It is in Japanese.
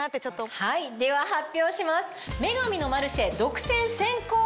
はいでは発表します。